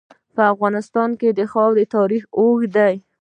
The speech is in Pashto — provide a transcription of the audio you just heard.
په افغانستان کې د خاوره تاریخ اوږد دی.